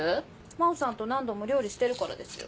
真帆さんと何度も料理してるからですよ。